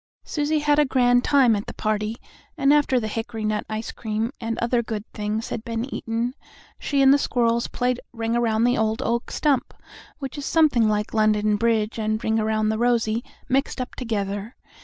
Susie had a grand time at the party, and after the hickory nut ice cream and other good things had been eaten, she and the squirrels played "Ring Around the Old Oak Stump," which is something like "London Bridge" and "Ring Around the Rosy" mixed up together.